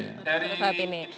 pada sore saat ini